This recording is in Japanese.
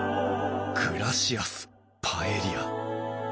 グラシアスパエリア